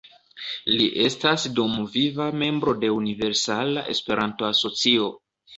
Li estas dumviva membro de Universala Esperanto-Asocio.